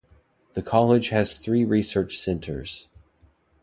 The college has three research centres.